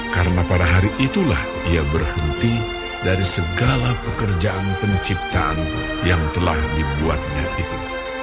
karena pada hari itulah ia berhenti dari segala pekerjaan penciptaan yang telah dibuatnya itu